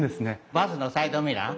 バスのサイドミラー。